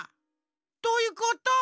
どういうこと？